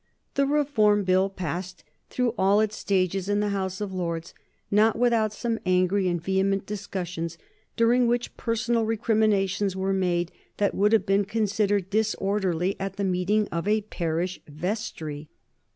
The Reform Bill passed through all its stages in the House of Lords, not without some angry and vehement discussions, during which personal recriminations were made that would have been considered disorderly at the meeting of a parish vestry.